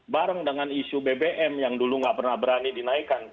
bareng dengan isu bbm yang dulu nggak pernah berani dinaikkan